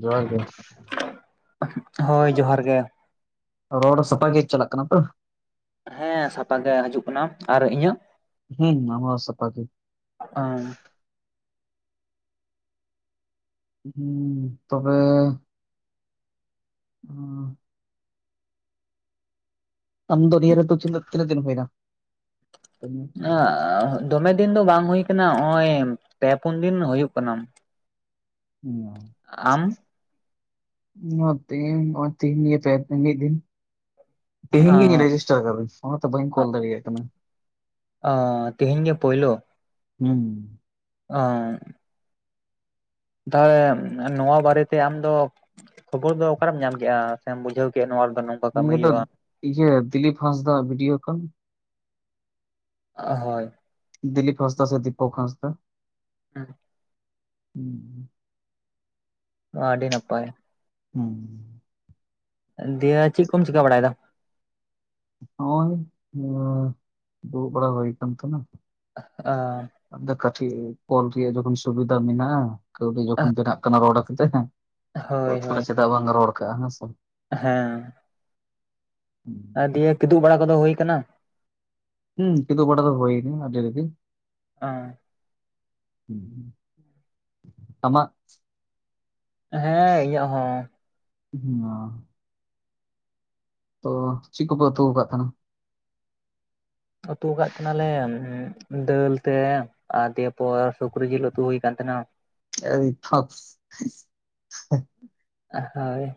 ᱡᱚᱦᱟᱨ ᱜᱮ ᱦᱳᱭ ᱾ ᱡᱚᱦᱟᱨ ᱜᱮ ᱨᱚᱲ ᱥᱟᱯᱷᱟ ᱜᱮ ᱪᱟᱞᱟᱜ ᱠᱟᱱᱟ ᱛᱚ? ᱦᱮᱸ ᱥᱟᱯᱷᱟ ᱜᱮ ᱦᱤᱡᱩᱜ ᱠᱟᱱᱟ, ᱟᱨ ᱤᱧᱟᱹᱜ? ᱦᱮᱸ ᱟᱢᱟᱜ ᱦᱚ ᱥᱟᱯᱷᱟ ᱜᱮ ᱾ [unintelligible] ᱛᱚᱵᱮ [unintelligible] ᱟᱢ ᱫᱚ [unintelligible] ᱨᱮᱫᱚ ᱛᱤᱱᱟᱹᱜ ᱫᱤᱱ ᱦᱩᱭᱱᱟ? ᱫᱚᱢᱮ ᱫᱤᱱ ᱫᱚ ᱵᱟᱝ ᱦᱩᱭ ᱟᱠᱟᱱᱟ ᱱᱚᱜ- ᱚᱭ ᱯᱮ-ᱯᱩᱱ ᱫᱤᱱ ᱦᱩᱭᱩᱜ ᱠᱟᱱᱟ ᱾ ᱦᱮᱸ ᱟᱢ ᱾ ᱢᱚᱛᱮ ᱛᱮᱦᱮᱧ, ᱛᱮᱦᱮᱧ ᱜᱮ ᱢᱚᱛᱮᱧ ᱢᱚᱛᱮ ᱢᱤᱫ ᱫᱤᱱ ᱾ ᱛᱮᱦᱮᱧ ᱜᱤᱧ ᱨᱮᱡᱤᱥᱴᱟᱨ ᱠᱟᱫᱟ ᱚᱱᱟᱛᱮ ᱵᱟᱹᱧ ᱠᱚᱞ ᱫᱟᱲᱮᱭᱟᱜ ᱠᱟᱱᱟ ᱾ ᱚᱸ ᱛᱮᱦᱮᱧ ᱜᱮ ᱯᱳᱭᱞᱳ? ᱦᱩᱸ ᱾ ᱚᱸᱻ ᱾ ᱛᱟᱦᱚᱞᱮ ᱱᱚᱣᱟ ᱵᱟᱨᱮ ᱛᱮ ᱟᱢ ᱫᱚᱼᱼ ᱠᱷᱚᱵᱚᱨ ᱫᱚ ᱚᱠᱟᱨᱮᱢ ᱧᱟᱢ ᱠᱮᱫᱮᱜᱼᱟ? ᱥᱮᱢ ᱵᱩᱡᱷᱟᱹᱣ ᱠᱮᱫᱼᱟ ᱱᱚᱣᱟ ᱨᱮᱫᱚ ᱱᱚᱝᱼᱼ ᱱᱤᱭᱟᱹ ᱫᱚ ᱤᱭᱟᱹ ᱫᱤᱞᱤᱯ ᱦᱟᱸᱥᱫᱟᱜ ᱵᱷᱤᱰᱤᱭᱳ ᱠᱷᱚᱱ ᱾ ᱦᱚᱭ ᱾ ᱫᱤᱞᱤᱯ ᱦᱟᱸᱥᱫᱟ ᱥᱮ, ᱫᱤᱯᱚᱠ ᱦᱟᱸᱥᱫᱟ? ᱦᱮᱸ ᱾ ᱦᱩᱸ [inaudible] ᱟᱹᱰᱤ ᱱᱟᱯᱟᱭ ᱾ ᱦᱩᱸ ᱾ ᱫᱤᱭᱮ ᱪᱮᱫ ᱠᱚᱢ ᱪᱤᱠᱟᱹ ᱵᱟᱲᱟᱭᱮᱫ-ᱟ? ᱦᱚᱜᱼᱚᱭ ᱫᱩᱲᱩᱵ ᱵᱟᱲᱟ ᱦᱚᱭ ᱠᱟᱱ ᱛᱟᱦᱮᱸᱱᱟ᱾ ᱟᱸᱻ ᱟᱫᱚ ᱠᱟᱹᱴᱤᱡ ᱠᱚᱞ ᱨᱮᱭᱟᱜ ᱡᱚᱠᱷᱚᱱ ᱥᱩᱵᱤᱫᱷᱟ ᱢᱮᱱᱟᱜᱼᱟ, ᱠᱟᱹᱣᱰᱤ ᱡᱚᱠᱷᱚᱱ ᱵᱮᱱᱟᱜ ᱠᱟᱱᱟ ᱨᱚᱲ ᱠᱟᱛᱮᱼᱼ ᱦᱳᱭ ᱦᱳᱭ [unintelligible] ᱪᱮᱫᱟᱜ ᱵᱟᱝ ᱨᱚᱲ ᱠᱟᱜᱼᱟ ᱦᱮᱸ ᱥᱮ? ᱦᱮᱸ ᱾ [inaudible] ᱫᱤᱭᱮ ᱠᱤᱫᱩᱵ ᱵᱟᱲᱟ ᱠᱚᱫᱚ ᱦᱩᱭ ᱟᱠᱟᱱᱟ? ᱦᱩᱸ ᱠᱤᱫᱩᱵ ᱵᱟᱲᱟ ᱫᱚ ᱦᱥᱭ ᱱᱟ, ᱟᱜᱮ ᱨᱮ ᱜᱮ ᱾ ᱚᱸᱻ ᱟᱢᱟᱜ? ᱦᱮᱸ ᱤᱧᱟᱹᱜ ᱦᱚᱸ ᱾ [unintelligible] ᱛᱚ ᱪᱮᱫ ᱠᱚᱯᱮ ᱚᱛᱩ ᱠᱟᱫ ᱛᱟᱦᱮᱱᱟ? ᱩᱛᱩ ᱠᱟᱫ ᱛᱟᱦᱮᱸ ᱱᱟᱞᱮ ᱫᱟᱹᱞ ᱛᱮᱼᱼ ᱟᱨ ᱫᱤᱭᱮᱯᱚᱨ ᱥᱩᱠᱨᱤ ᱡᱤᱞ ᱩᱛᱩ ᱦᱩᱭ ᱠᱟᱱ ᱛᱟᱦᱮᱸᱱᱟ ᱾ ᱮᱭ [unintelligible] ᱦᱳᱭ,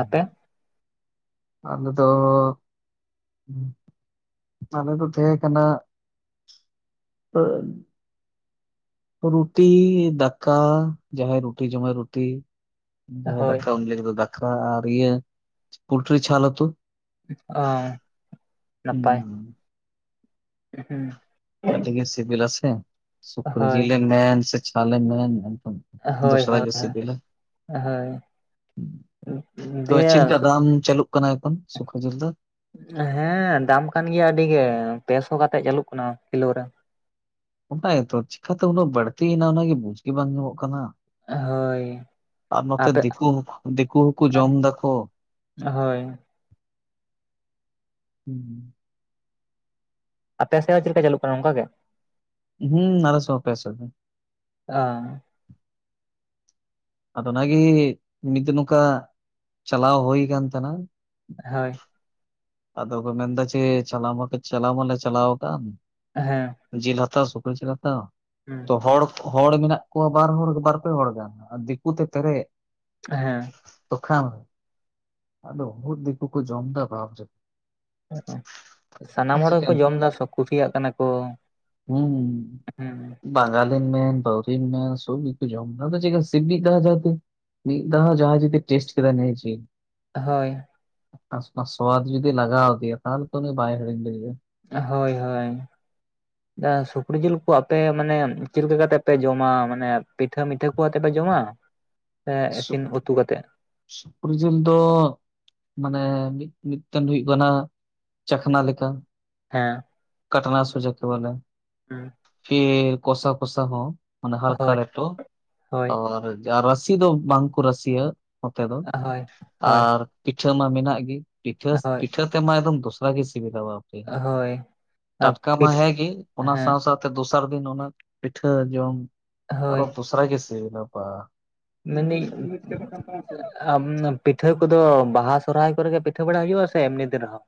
ᱟᱯᱮ ᱟᱞᱮ ᱫᱚᱼᱼ ᱟᱞᱮ ᱫᱚ ᱛᱟᱦᱮᱸ ᱠᱟᱱᱟᱼᱼ [unintelligible] ᱨᱩᱴᱤ ᱫᱟᱠᱟ ᱡᱟᱦᱟᱸᱟᱭ ᱨᱩᱴᱤ ᱡᱚᱢᱟᱭ ᱨᱩᱴᱤᱼᱼ ᱡᱟᱦᱟᱭ ᱦᱳᱭ ᱫᱟᱠᱟ ᱩᱱᱤ ᱞᱟᱜᱤᱫ ᱫᱚ ᱫᱟᱠᱟ ᱟᱨ ᱤᱭᱟᱹ ᱯᱳᱞᱴᱨᱤ ᱪᱷᱟᱞ ᱩᱛᱩ ᱾ ᱚᱸ ᱦᱩᱸ ᱱᱟᱯᱟᱭ ᱾ ᱩᱸ ᱦᱩᱸ ᱾ ᱟᱹᱰᱤ ᱜᱮ ᱥᱤᱵᱤᱞᱼᱟ ᱥᱮ ᱥᱩᱠᱨᱤ ᱦᱳᱭ ᱡᱤᱞ ᱮᱢ ᱢᱮᱱ ᱥᱮ ᱪᱷᱟᱞ ᱮᱢ ᱢᱮᱱ ᱼᱼ ᱦᱳᱭ ᱻᱦᱳᱭ ᱻᱦᱳᱭᱼᱼ ᱛᱚ ᱪᱮᱫ ᱞᱮᱠᱟ ᱫᱟᱢ ᱪᱟᱹᱞᱩᱜ ᱠᱟᱱᱟ ᱮᱠᱷᱚᱱ ᱥᱩᱠᱨᱤ ᱡᱤᱞ ᱫᱚ? ᱦᱮᱸ ᱫᱟᱢ ᱠᱟᱱ ᱜᱮᱭᱟ ᱟᱹᱰᱤ ᱜᱮ ᱯᱮ ᱥᱚ ᱠᱟᱛᱮᱜ ᱪᱟᱹᱞᱩᱜ ᱠᱟᱱᱟ ᱠᱤᱞᱳ ᱨᱮ ᱾ ᱚᱱᱟᱜᱮᱛᱚ ᱪᱤᱠᱟᱛᱮ ᱩᱱᱟᱹᱜ ᱵᱟᱹᱲᱛᱤᱭᱮᱱᱟ ᱚᱱᱟᱜᱮ ᱵᱩᱡ ᱜᱮ ᱵᱟᱝ ᱧᱟᱢᱚᱜ ᱠᱟᱱᱟ ᱾ ᱦᱳᱭ, ᱟᱨ ᱢᱚᱛᱮ ᱟᱯᱮ ᱫᱤᱠᱩ ᱫᱤᱠᱩ ᱦᱚᱠᱩ ᱡᱚᱢ ᱫᱟᱠᱚᱼᱼ ᱦᱳᱭ, ᱦᱩᱸ ᱾ ᱟᱯᱮ ᱥᱮᱫ ᱦᱚᱸ ᱪᱮᱫ ᱞᱮᱠᱟ ᱪᱟᱹᱞᱩᱜ ᱠᱟᱱᱟ ᱚᱱᱠᱟ ᱜᱮ? ᱦᱩᱸ ᱟᱞᱮ ᱥᱮ ᱦᱚᱸ ᱯᱮ ᱥᱚᱜᱮ ᱾ ᱟᱻ ᱾ ᱟᱫᱚ ᱚᱱᱟ ᱜᱤ ᱢᱤᱫᱫᱤᱱ ᱱᱚᱝᱠᱟ ᱪᱟᱞᱟᱣ ᱦᱳᱭ ᱠᱟᱱ ᱛᱟᱦᱮᱱᱟ, ᱦᱳᱭ, ᱟᱫᱚ ᱠᱚ ᱢᱮᱱᱫᱟ ᱪᱮ ᱪᱟᱞᱟᱣ ᱢᱟᱞᱮ ᱪᱟᱞᱟᱣ ᱢᱟᱞᱮ ᱪᱟᱞᱟᱣ ᱠᱟᱱ ᱾ ᱦᱮᱸ, ᱡᱤᱞ ᱦᱟᱛᱟᱣ ᱥᱩᱠᱨᱤ ᱡᱤᱞ ᱦᱟᱛᱟᱣ᱾ ᱦᱮᱸ, ᱛᱚ ᱦᱚᱲ ᱦᱚᱲ ᱢᱮᱱᱟᱜ ᱠᱚᱣᱟ ᱵᱟᱨ ᱦᱚᱲ ᱵᱟᱨᱯᱮ ᱦᱚᱲ ᱜᱟᱱ ᱟᱨ ᱫᱤᱠᱩᱛᱮ ᱯᱮᱨᱮᱡ ᱾ ᱦᱮᱸ, ᱛᱚᱠᱷᱟᱱ ᱟᱫᱚ ᱩᱫ ᱫᱤᱠᱩ ᱠᱚ ᱡᱚᱢᱫᱟ ᱵᱟᱵ ᱨᱮ ᱾ ᱥᱟᱱᱟᱢ ᱦᱚᱲ ᱪᱤᱠᱟᱹᱱ ᱜᱮᱠᱚ ᱡᱚᱢ ᱫᱟ ᱥᱳᱵ ᱠᱩᱥᱤᱭᱟᱜ ᱠᱟᱱᱟ ᱠᱚ᱾ ᱦᱩᱸ ᱾ ᱦᱩᱸ᱾ ᱵᱟᱝᱜᱟᱞᱤ ᱢᱮᱱ ᱵᱟᱣᱸᱨᱤ ᱢᱮᱱ ᱥᱚᱵ ᱜᱤ ᱠᱚ ᱡᱚᱢ ᱫᱟ ᱟᱫᱚ ᱪᱤᱠᱟ ᱥᱤᱵᱤ ᱠᱟᱫᱟ ᱠᱚ ᱢᱤᱫ ᱫᱷᱟᱣ ᱡᱟᱦᱟᱸᱭ ᱡᱚᱫᱤ ᱴᱮᱥᱴ ᱠᱮᱫᱟ ᱱᱤᱭᱟᱹ ᱡᱤᱞ ᱦᱳᱭ, ᱯᱟᱥ ᱯᱟᱥ ᱥᱳᱣᱟᱫ ᱡᱩᱫᱤ ᱞᱟᱜᱟᱣ ᱟᱫᱮᱭᱟ ᱛᱟᱦᱚᱞᱮ ᱛᱚ ᱩᱱᱤ ᱵᱟᱭ ᱦᱤᱲᱤᱧ ᱫᱟᱲᱮᱭᱟᱜᱼᱟ᱾ ᱦᱳᱭ ᱦᱳᱭ, ᱥᱩᱠᱨᱤ ᱡᱤᱞ ᱠᱚ ᱟᱯᱮ ᱢᱟᱱᱮ ᱪᱮᱫ ᱞᱮᱠᱟ ᱠᱟᱛᱮᱜ ᱯᱮ ᱡᱚᱢᱟ, ᱢᱟᱱᱮ ᱯᱤᱴᱷᱟᱹ ᱢᱤᱴᱷᱟᱹ ᱠᱚ ᱟᱛᱮ ᱯᱮ ᱡᱚᱢᱟ? ᱮ ᱥᱩᱠ ᱤᱥᱤᱱ ᱩᱛᱩ ᱠᱟᱛᱮ ᱾ ᱥᱩᱠᱨᱤ ᱡᱤᱞ ᱫᱚ, ᱢᱟᱱᱮ ᱢᱤᱫ ᱢᱤᱫᱴᱮᱱ ᱫᱚ ᱦᱩᱭᱩᱜ ᱠᱟᱱᱟ ᱪᱟᱠᱷᱱᱟ ᱞᱮᱠᱟ᱾ ᱦᱮᱸ, ᱠᱟᱴᱟᱱᱟ ᱥᱩᱡᱚᱠ ᱛᱮ ᱵᱚᱞᱮ ᱦᱩᱸ ᱯᱷᱤᱨ ᱠᱚᱥᱟ ᱠᱚᱥᱟ ᱦᱚᱸ ᱢᱟᱱᱮ ᱦᱟᱞᱠᱟ ᱦᱳᱭ ᱞᱮᱴᱚ ᱦᱳᱭ ᱚᱨ ᱡᱟᱨᱟᱥ ᱨᱟᱥᱤ ᱫᱚ ᱵᱟᱝ ᱠᱚ ᱨᱟᱥᱤ ᱭᱟ ᱱᱚᱛᱮ ᱫᱚ ᱦᱳᱭ ᱦᱳᱭ ᱟᱨ ᱯᱤᱴᱷᱟᱹ ᱢᱟ ᱢᱮᱱᱟᱜ ᱜᱤ᱾ ᱯᱤᱴᱷᱟᱹᱥ ᱯᱤᱴᱷᱟᱹ ᱛᱮᱢᱟ ᱮᱫᱚᱢ ᱫᱚᱥᱨᱟ ᱜᱮ ᱥᱤᱵᱤᱞᱟ ᱵᱟᱵ, ᱦᱳᱭ ᱦᱳᱭ ᱴᱟᱴᱠᱟ ᱢᱟ ᱯᱤᱴ ᱦᱮᱸᱜᱤ ᱚᱱᱟ ᱦᱮᱸ ᱥᱟᱶ ᱥᱟᱶ, ᱛᱚ ᱫᱚᱥᱟᱨ ᱫᱤᱱ ᱚᱱᱟ ᱯᱤᱴᱷᱟᱹ ᱡᱚᱢ ᱦᱳᱭ ᱟᱨᱚ ᱫᱚᱥᱨᱟ ᱜᱮ ᱥᱤᱵᱤᱞᱟ ᱵᱟ᱾ ᱢᱮᱱ ᱫᱤᱝ [unintelligible] ᱢᱟᱱᱮ ᱯᱤᱴᱷᱟᱹ ᱠᱚᱫᱚ ᱵᱟᱦᱟ ᱥᱚᱨᱚᱦᱟᱭ ᱠᱚᱨᱮᱜᱮ ᱯᱤᱴᱷᱟᱹ ᱵᱟᱲᱟ ᱦᱩᱭᱩᱜ ᱼᱟ ᱥᱮ ᱮᱢᱱᱤ ᱫᱤᱱ ᱨᱮᱦᱚᱸ?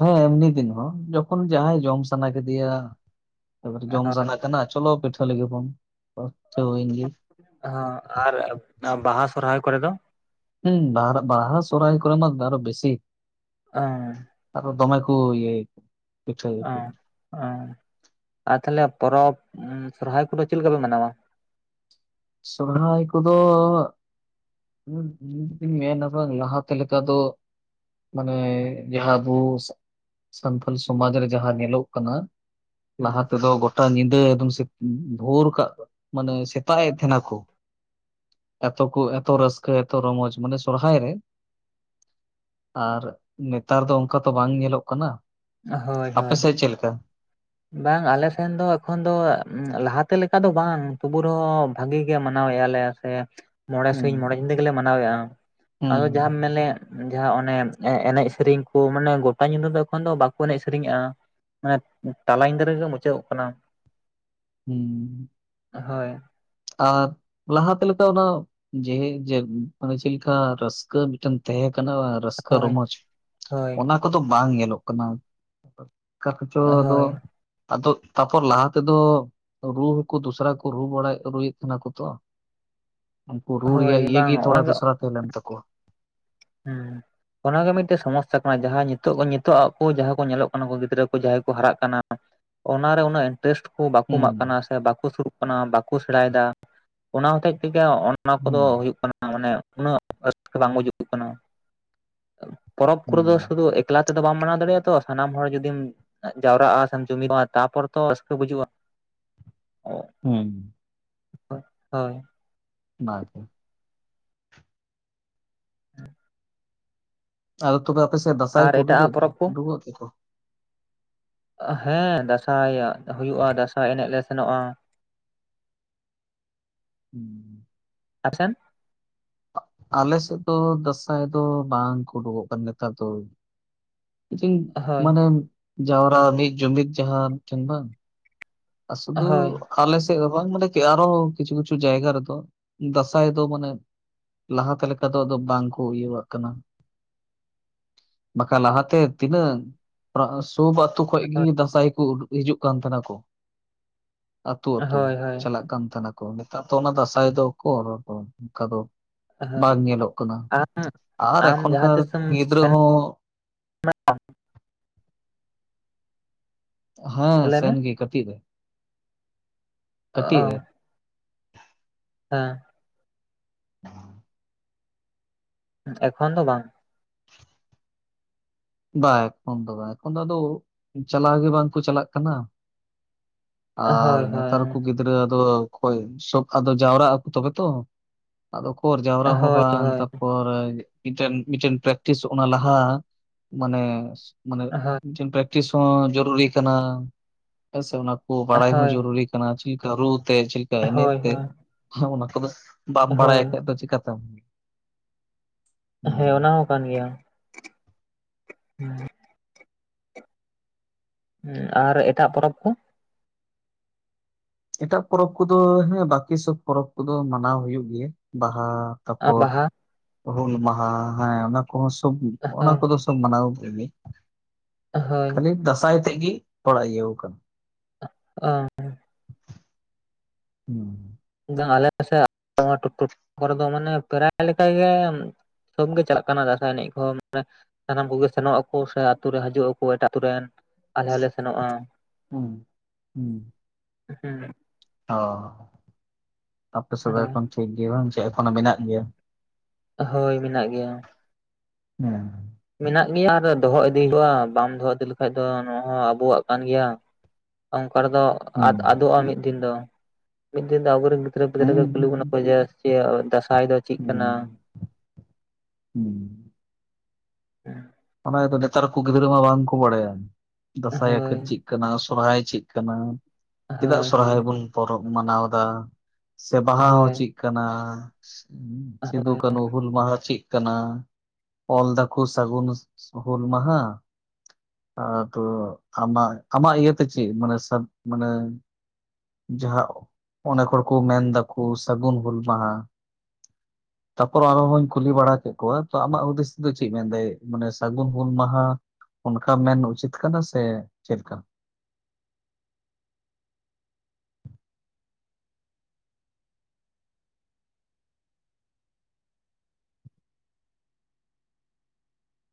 ᱦᱮᱸ ᱮᱢᱱᱤ ᱫᱤᱱ ᱦᱚᱸ ᱡᱚᱠᱷᱚᱱ ᱡᱟᱦᱟᱸᱭ ᱡᱚᱢ ᱥᱟᱱᱟ ᱠᱮᱫᱮᱭᱟ, ᱮᱵᱟᱨ ᱡᱚᱢ ᱦᱳᱭ ᱥᱟᱱᱟ ᱠᱟᱱᱟ ᱪᱚᱞᱚ ᱯᱤᱴᱷᱟᱹ ᱞᱮᱜᱮ ᱵᱚᱱ ᱫᱚ ᱯᱴᱤᱷᱟᱹ ᱦᱩᱭᱮᱱ ᱜᱮ᱾ ᱦᱚᱸ ᱟᱨ ᱵᱟᱦᱟ ᱥᱚᱨᱚᱦᱟᱭ ᱠᱚᱨᱮ ᱫᱚ? ᱦᱩᱸ ᱵᱟᱦᱟᱨᱟ ᱵᱟᱦᱟ ᱥᱚᱨᱚᱨᱟᱭ ᱠᱚᱨᱮ ᱢᱟ ᱟᱨᱚ ᱵᱮᱥᱤ᱾ ᱚᱸᱻ ᱟᱫᱚ ᱫᱚᱢᱮ ᱠᱚ ᱤᱭᱟᱹᱭᱟᱠᱚ᱾ ᱚᱸ ᱚᱸ ᱟᱨ ᱛᱟᱦᱚᱞᱮ ᱯᱚᱨᱚᱵᱽ ᱥᱚᱨᱚᱦᱟᱭ ᱠᱚᱫᱚ ᱪᱮᱫ ᱞᱮᱠᱟᱯᱮ ᱢᱟᱱᱟᱣᱟ? ᱥᱚᱨᱦᱟᱭ ᱠᱚᱫᱚ, ᱤᱧ ᱤᱧ ᱢᱮᱱᱟ ᱛᱚ ᱵᱟᱝ ᱞᱟᱦᱟᱛᱮ ᱞᱮᱠᱟ ᱫᱚ, ᱢᱟᱱᱮ ᱡᱟᱦᱟᱸ ᱟᱵᱚ ᱥᱟᱱᱛᱟᱞ ᱥᱚᱢᱟᱡᱽ ᱨᱮ ᱡᱟᱦᱟᱸ ᱧᱮᱞᱚᱜ ᱠᱟᱱᱟ, ᱞᱟᱦᱟ ᱛᱮᱫᱚ ᱜᱚᱴᱟ ᱧᱤᱫᱟᱹ ᱮᱠᱫᱚᱢ ᱵᱷᱳᱨ ᱠᱟᱜ ᱢᱟᱱᱮ ᱥᱮᱛᱟᱜ ᱮ, ᱠᱷᱟᱱᱟ ᱠᱚ ᱮᱛᱚ ᱠᱚ ᱮᱛᱚ ᱨᱟᱹᱥᱠᱟᱹ ᱮᱛᱚ ᱨᱚᱢᱚᱡᱽ ᱢᱟᱱᱮ ᱥᱚᱨᱦᱟᱭ ᱨᱮ ᱟᱨ ᱱᱮᱛᱟᱨ ᱫᱚ ᱚᱱᱠᱟ ᱛᱚ ᱵᱟᱝ ᱧᱮᱞᱚᱜ ᱠᱟᱱᱟ᱾ ᱦᱳᱭ ᱦᱳᱭ ᱟᱯᱮᱥᱮᱜ ᱪᱮᱜ ᱞᱮᱠᱟ? ᱵᱟᱝ ᱟᱞᱮᱥᱮᱱ ᱫᱚ ᱮᱠᱷᱚᱱ ᱫᱚ ᱞᱟᱦᱟᱛᱮ ᱞᱮᱠᱟ ᱫᱚ ᱵᱟᱝ ᱛᱩᱵᱩ ᱨᱮᱦᱚᱸ ᱵᱷᱟᱜᱤ ᱜᱮ ᱢᱟᱱᱟᱣᱮᱜᱼᱟ ᱞᱮ ᱟᱨ ᱢᱚᱬᱮ ᱥᱤᱧ ᱦᱩᱸ ᱢᱚᱬᱮ ᱧᱤᱱᱫᱟᱜᱮᱞᱮ ᱢᱟᱱᱟᱣᱮᱫᱼᱟ ᱟᱫᱚ ᱡᱟᱦᱟᱸ, ᱦᱩᱸ ᱢᱮᱱᱮ ᱡᱟᱦᱟᱸ ᱚᱱᱮ ᱮᱱᱮᱡ ᱥᱮᱨᱮᱧ ᱠᱚ ᱢᱟᱱᱮ ᱜᱚᱴᱟ ᱧᱤᱫᱟ ᱫᱚ ᱮᱠᱷᱚᱱ ᱫᱚ ᱵᱟᱠᱚ ᱮᱱᱮᱡ ᱥᱮᱨᱮᱧᱮᱜᱼᱟ᱾ ᱢᱟᱱᱮ ᱛᱟᱞᱟ ᱧᱤᱫᱟᱹ ᱨᱮᱜᱮ ᱢᱩᱪᱟᱹᱫᱚᱜ ᱠᱟᱱᱟ᱾ ᱦᱩᱸ, ᱦᱳᱭ᱾ ᱟᱨ ᱞᱟᱦᱟᱛᱮ ᱞᱮᱠᱟ ᱫᱚ ᱡᱮ ᱡᱮᱜ ᱢᱟᱱᱮ ᱪᱮᱫ ᱞᱮᱠᱟ ᱨᱟᱹᱥᱠᱟᱹ ᱢᱤᱫᱴᱮᱱ ᱛᱟᱦᱮᱸ ᱠᱟᱱᱟ ᱟᱨ ᱨᱟᱹᱥᱠᱟᱹ ᱦᱳᱭ ᱨᱚᱢᱚᱡᱽ ᱦᱳᱭ ᱚᱱᱟ ᱠᱚᱫᱚ ᱵᱟᱝ ᱧᱮᱞᱚᱜ ᱠᱟᱱᱟ᱾ ᱚᱠᱟ ᱠᱚᱪᱚ ᱟᱫᱚ ᱦᱳᱭ ᱟᱫᱚ ᱛᱟᱯᱚᱨ ᱞᱟᱦᱟ ᱛᱮᱫᱚ ᱨᱩ ᱦᱚᱠᱚ ᱫᱚᱥᱨᱟ ᱠᱩ ᱨᱩ ᱵᱟᱲᱟᱭᱮᱜ, ᱨᱩᱭᱮᱫ ᱛᱟᱦᱮᱱᱟᱠᱚ ᱛᱚ ᱩᱱᱠᱩ ᱨᱩ ᱦᱳᱭ ᱨᱮᱭᱟᱜ ᱤᱭᱟᱹ ᱵᱟᱝ ᱜᱮ ᱛᱷᱚᱲᱟ ᱫᱚᱥᱨᱟ ᱛᱟᱦᱮᱸ ᱞᱮᱱ ᱛᱟᱠᱚᱣᱟ᱾ ᱦᱮᱸ, ᱚᱱᱟᱜᱮ ᱢᱤᱫᱴᱮᱜ ᱥᱚᱢᱚᱥᱟ ᱠᱟᱱᱟ ᱡᱟᱦᱟᱸ ᱱᱤᱛᱚᱜ ᱱᱤᱛᱚᱜ ᱟᱜ ᱠᱚ ᱡᱟᱦᱟᱸᱭ ᱠᱚ ᱧᱮᱞᱚᱜ ᱠᱟᱱᱟ ᱜᱤᱫᱽᱨᱟᱹ ᱠᱚ ᱡᱟᱦᱟᱸᱭ ᱠᱚ ᱦᱟᱨᱟᱜ ᱠᱟᱱᱟ᱾ ᱚᱱᱟ ᱨᱮ ᱩᱱᱟᱹᱜ ᱮᱱ᱾ ᱴᱮᱥᱴ ᱠᱚ ᱵᱟᱠᱚ ᱦᱩᱸ ᱮᱢᱟᱜ ᱠᱟᱱᱟ ᱥᱮ ᱵᱟᱠᱚ ᱥᱩᱨᱩᱜ ᱠᱟᱱᱟ ᱵᱟᱠᱚ ᱥᱮᱲᱟᱭᱮᱫᱟ ᱚᱱᱟ ᱦᱚᱛᱮᱡ ᱛᱮᱜᱮ, ᱚᱱᱟ ᱠᱚᱫᱚ ᱦᱩᱸ ᱦᱩᱭᱩᱜ ᱠᱟᱱᱟ ᱢᱟᱱᱮ ᱩᱱᱟᱹᱜ ᱨᱟᱹᱥᱠᱟᱹ ᱵᱟᱝ ᱵᱩᱡᱩᱜ ᱠᱟᱱᱟ᱾ ᱯᱚᱨᱚᱵᱽ ᱠᱚᱨᱮ ᱦᱩᱸ ᱫᱚ ᱥᱩᱫᱷᱩ ᱮᱠᱞᱟ ᱛᱮᱫᱚ ᱵᱟᱢ ᱢᱟᱱᱟᱣ ᱫᱟᱲᱮᱭᱟᱜᱼᱟ ᱛᱚ ᱥᱟᱱᱟᱢ ᱦᱚᱲ ᱡᱩᱫᱤᱢ, ᱡᱟᱣᱨᱟᱜᱼᱟ ᱥᱮ ᱡᱩᱢᱤᱫᱼᱟ ᱛᱟᱨᱯᱚᱨ ᱛᱚ ᱨᱟᱹᱥᱠᱟᱹ ᱵᱩᱡᱩᱜᱼᱟ᱾ ᱚ ᱦᱩᱸ᱾ ᱦᱳᱭ᱾ ᱵᱟᱫᱽ ᱦᱮᱸ᱾ ᱟᱫᱚ ᱛᱚᱵᱮ ᱟᱯᱮᱥᱮᱫ ᱫᱟᱸᱥᱟᱭ ᱟᱨ ᱠᱚ ᱮᱴᱟᱜᱟᱜ ᱩᱰᱩᱠᱚᱜ ᱯᱚᱨᱚᱵᱽ ᱠᱚ ᱩᱰᱩᱠᱚᱜ ᱜᱮ ᱛᱚ? ᱦᱮᱸ ᱫᱟᱸᱥᱟᱭ ᱦᱩᱭᱩᱜᱼᱟ᱾ ᱫᱟᱸᱥᱟᱭ ᱮᱱᱮᱡ ᱞᱮ ᱥᱮᱱᱚᱜᱼᱟ᱾ ᱦᱩᱸ᱾ ᱟᱯᱥᱮᱱ ᱟᱞᱮᱥᱮᱫ ᱫᱚ ᱫᱟᱸᱥᱟᱭ ᱫᱚ ᱵᱟᱝ ᱠᱚ ᱩᱰᱩᱠᱚᱜ ᱠᱟᱱ ᱱᱮᱛᱟᱨ ᱫᱚ ᱦᱳᱭ ᱢᱟᱱᱮ ᱡᱟᱣᱨᱟ ᱢᱤᱫ ᱡᱩᱢᱤᱫ ᱡᱟᱦᱟᱸ ᱢᱤᱫᱴᱷᱮᱱ ᱵᱟᱝ ᱟ ᱥᱩᱫᱩ ᱦᱳᱭ ᱟᱞᱮ ᱥᱮᱫ ᱦᱚᱸ ᱵᱟᱝ? ᱢᱟᱱᱮ ᱟᱨᱚ ᱠᱤᱪᱷᱩ ᱠᱤᱪᱷᱩ ᱡᱟᱭᱜᱟ ᱨᱮ ᱫᱚ ᱫᱟᱸᱥᱟᱭ ᱫᱚ ᱢᱟᱱᱮ ᱞᱟᱦᱟ ᱛᱮ ᱞᱮᱠᱟ ᱫᱚ ᱟᱫ ᱵᱟᱝ ᱠᱚ ᱤᱭᱟᱹᱣᱟᱜ ᱠᱟᱱᱟ᱾ ᱵᱟᱠᱷᱟᱱ ᱞᱟᱦᱟᱛᱮ ᱛᱤᱱᱟᱹᱜ ᱥᱩ ᱟᱹᱛᱩ ᱠᱷᱚᱭ ᱜᱮ ᱫᱟᱸᱥᱟᱭ ᱠᱚ ᱩᱰᱩᱜ ᱦᱤᱡᱩᱜ ᱠᱟᱱ ᱛᱟᱦᱮᱸᱱᱟ ᱠᱚ᱾ ᱟᱹᱛᱩ ᱟᱹᱛᱩ ᱦᱳᱭ ᱦᱳᱭ ᱪᱟᱞᱟᱜ ᱠᱟᱱ ᱛᱟᱦᱮᱱᱟ, ᱠᱚ ᱱᱮᱛᱟᱨ ᱫᱚ ᱚᱱᱟ ᱫᱟᱸᱥᱟᱭ ᱫᱚᱠᱚ ᱚᱱᱠᱟ ᱫᱚ ᱦᱳᱭ ᱵᱟᱝ ᱧᱮᱞᱚᱜ ᱠᱟᱱᱟ ᱟᱢ ᱟᱨ ᱟᱢ ᱮᱠᱷᱚᱱ ᱡᱟᱦᱟᱸ ᱠᱟᱨ ᱛᱤᱥᱮᱢ ᱜᱤᱫᱽᱨᱟᱹ ᱥᱮᱱ ᱦᱚᱸ ᱦᱮᱸ ᱞᱟᱹᱭ ᱢᱮ ᱥᱮᱱ ᱜᱮ ᱠᱟᱴᱤᱡ ᱨᱮ, ᱠᱟᱴᱤᱡ ᱚ ᱨᱮ ᱦᱮᱸ᱾ [inaudible] ᱮᱠᱷᱚᱱ ᱫᱚ ᱵᱟᱝ? ᱵᱟᱝ ᱮᱠᱷᱚᱱ ᱫᱚ ᱵᱟᱝ ᱮᱠᱷᱚᱱ ᱫᱚ ᱟᱫᱚ ᱪᱟᱞᱟᱣ ᱜᱮ ᱵᱟᱝ ᱠᱚ ᱪᱟᱞᱟᱜ ᱠᱟᱱᱟ᱾ ᱟᱨ ᱦᱳᱭ ᱦᱳᱭ ᱱᱮᱛᱟᱨ ᱠᱚ ᱜᱤᱫᱽᱨᱟᱹ ᱜᱤᱫᱽᱨᱟᱹ ᱫᱚ ᱚᱠᱚᱭ ᱥᱚᱵ ᱟᱫᱚ ᱡᱟᱣᱨᱟᱜ ᱟᱠᱚ ᱛᱚᱵᱮ ᱛᱚ᱾ ᱟᱫᱚ ᱚᱠᱚᱨ ᱡᱟᱣᱨᱟ ᱦᱚᱸ ᱦᱳᱭ ᱵᱟᱝ, ᱦᱳᱭ ᱛᱟᱯᱚᱨ ᱢᱤᱫᱴᱮᱱ ᱢᱤᱫᱴᱮᱱ ᱯᱨᱮᱠᱴᱤᱥ ᱚᱱᱟ ᱞᱟᱦᱟ ᱢᱟᱱᱮ ᱢᱟᱱᱮ ᱦᱳᱭ ᱯᱨᱮᱠᱴᱤᱥ ᱦᱚᱸ ᱡᱚᱨᱩᱨᱤ ᱠᱟᱱᱟ ᱦᱮᱸᱥᱮ᱾ ᱚᱱᱟ ᱵᱟᱲᱟᱭ ᱦᱚᱸ ᱡᱚᱨᱩᱨᱤ ᱠᱟᱱᱟ ᱪᱮᱫ ᱞᱮᱠᱟ ᱨᱩ ᱛᱮ? ᱪᱮᱫ ᱞᱮᱠᱟ ᱮᱱᱮᱡ ᱦᱳᱭ ᱛᱮ? ᱦᱳᱭ ᱚᱱᱟ ᱠᱚᱫᱚ ᱵᱟᱢ ᱵᱟᱲᱟᱭ ᱦᱳᱭ ᱠᱷᱟᱱ ᱫᱚ ᱪᱤᱠᱟᱛᱮᱢ ᱦᱮᱸ, ᱚᱱᱟ ᱦᱩᱸ᱾ ᱦᱚᱸ ᱠᱟᱱ ᱜᱮᱭᱟ᱾ [inaudible] ᱦᱮ ᱟᱨ ᱮᱴᱟᱜ ᱯᱚᱨᱚᱵᱽ ᱠᱚ? ᱮᱴᱟᱜ ᱯᱚᱨᱚᱵᱽ ᱠᱚᱫᱚ ᱦᱮᱸ, ᱵᱟᱠᱤ ᱥᱚᱵ ᱯᱚᱨᱚᱵᱽ ᱠᱚᱫᱚ ᱢᱟᱱᱟᱣ ᱦᱩᱭᱩᱜ ᱜᱮᱭᱟ᱾ ᱵᱟᱦᱟ ᱛᱟᱯᱚᱨ ᱵᱟᱦᱟ ᱦᱩᱞ ᱢᱟᱦᱟᱸ ᱦᱮᱸ ᱚᱱᱟ ᱠᱚᱦᱚᱸ ᱥᱚᱵ ᱚᱱᱟ ᱦᱳᱭ ᱠᱚᱫᱚ ᱢᱟᱱᱟᱣ ᱠᱮᱫ ᱜᱮᱭᱟ᱾ ᱦᱳᱭ ᱠᱷᱟᱹᱞᱤ ᱫᱟᱸᱥᱟᱭ ᱛᱮᱫ ᱜᱮ ᱛᱷᱚᱲᱟ ᱤᱭᱟᱹᱣ ᱠᱟᱱᱟ᱾ ᱚᱸ᱾ ᱦᱩᱸ᱾ ᱟᱞᱮ ᱥᱮᱫ ᱱᱚᱣᱟ [unintelligible] ᱠᱚᱨᱮ ᱫᱚ ᱢᱟᱱᱮ ᱯᱨᱟᱭ ᱞᱮᱠᱟ ᱜᱮ ᱥᱚᱵ ᱜᱮ ᱪᱟᱞᱟᱜ ᱠᱟᱱᱟ ᱫᱟᱸᱥᱟᱭ ᱮᱱᱮᱡ ᱠᱚᱦᱚᱸ ᱥᱟᱱᱟᱢ ᱠᱚᱜᱮ ᱥᱮᱱᱚᱜ ᱟᱠᱚ ᱥᱮ ᱟᱹᱛᱩ ᱨᱮ ᱦᱤᱡᱩᱜ ᱟᱠᱚ ᱮᱴᱟᱜ ᱟᱹᱛᱩ ᱨᱮᱱ ᱟᱞᱮ ᱦᱚᱸ ᱞᱮ ᱥᱮᱱᱚᱜᱼᱟ᱾ ᱦᱩᱸ᱾ ᱦᱩᱸ ᱦᱮᱸ᱾ ᱚ ᱟᱯᱮ [unintelligible] ᱮᱠᱷᱚᱱ ᱴᱷᱤᱠ ᱜᱮ ᱵᱟᱝ ᱪᱮ ᱮᱠᱷᱚᱱᱳ ᱢᱮᱱᱟᱜ ᱜᱮᱭᱟ? ᱦᱳᱭ, ᱢᱮᱱᱟᱜ ᱜᱮᱭᱟ᱾ ᱦᱮᱸ᱾ ᱢᱮᱱᱟᱜ ᱜᱮᱭᱟ ᱟᱨ ᱫᱚᱦᱚ ᱤᱫᱤ ᱦᱳᱭᱳᱜᱼᱟ ᱵᱟᱢ ᱫᱚᱦᱚ ᱤᱫᱤ ᱞᱮᱠᱷᱟᱡ ᱫᱚ ᱱᱚᱣᱟ ᱦᱚᱸ ᱟᱵᱚᱣᱟᱜ ᱠᱟᱱ ᱜᱮᱭᱟ᱾ ᱚᱱᱠᱟ ᱨᱮᱫᱚ ᱟᱫ ᱟᱫᱚᱜᱼᱟ ᱢᱤᱫ ᱫᱤᱱ ᱫᱚ, ᱢᱤᱫ ᱫᱤᱱ ᱫᱚ ᱟᱵᱚᱨᱮᱱ ᱜᱤᱫᱽᱨᱟᱹ ᱯᱤᱫᱽᱨᱟᱹ ᱠᱚ ᱠᱩᱞᱤ ᱵᱚᱱᱟ ᱾ [unintelligible] ᱫᱟᱸᱥᱟᱭ ᱫᱚ ᱪᱮᱫ ᱠᱟᱱᱟ? ᱦᱩᱸ [unintelligible] ᱚᱱᱟ ᱜᱮᱛᱚ ᱱᱮᱛᱟᱨ ᱠᱚ ᱜᱤᱫᱽᱨᱟᱹ ᱢᱟ ᱵᱟᱝ ᱠᱚ ᱵᱟᱲᱟᱭᱟ ᱫᱟᱸᱥᱟᱭᱟ ᱠᱚ ᱦᱳᱭ ᱪᱮᱫ ᱠᱟᱱᱟ ᱥᱚᱨᱦᱟᱭ ᱪᱮᱫ ᱠᱟᱱᱟ? ᱪᱮᱫᱟᱜ ᱦᱳᱭ ᱦᱳᱭ ᱥᱚᱨᱦᱟᱭ ᱵᱚᱱ ᱯᱚᱨᱚᱵᱽ ᱢᱟᱱᱟᱣ ᱮᱫᱟ? ᱥᱮ ᱵᱟᱦᱟ ᱦᱚᱸ ᱦᱳᱭ ᱪᱮᱫ ᱠᱟᱱᱟ? ᱥᱤᱫᱩ ᱠᱟᱹᱱᱦᱩ ᱦᱩᱞ ᱢᱟᱦᱟ ᱪᱮᱫ ᱠᱟᱱᱟ ᱚᱞ ᱫᱟᱠᱚ ᱥᱟᱹᱜᱩᱱ ᱦᱩᱞ ᱢᱟᱦᱟ ᱟᱫᱚ ᱟᱢᱟᱜ, ᱟᱢᱟᱜ ᱤᱭᱟᱹᱛᱮ ᱪᱮᱫ ᱢᱟᱱᱮ ᱥᱟᱫ ᱢᱟᱱᱮ ᱡᱟᱦᱟᱸ ᱚᱱᱮᱠ ᱦᱚᱲ ᱠᱚ ᱢᱮᱱ ᱫᱟᱠᱩ ᱥᱟᱹᱜᱩᱱ ᱦᱩᱞ ᱢᱟᱦᱟ ᱛᱟᱯᱚᱨ ᱟᱨ ᱦᱚᱧ ᱠᱩᱞᱤ ᱵᱟᱲᱟ ᱠᱮᱫ ᱠᱚᱣᱟ ᱛᱚ ᱟᱢᱟᱜ ᱦᱩᱫᱤᱥ ᱛᱮ ᱪᱮᱫ ᱢᱮᱱᱫᱟᱭ ᱢᱟᱱᱮ ᱥᱟᱹᱜᱩᱱ ᱦᱩᱞ ᱢᱟᱦᱟ ᱚᱱᱠᱟ ᱢᱮᱱ ᱩᱪᱤᱛ ᱠᱟᱱᱟ ᱥᱮ ᱪᱮᱫ ᱠᱟᱱᱟ?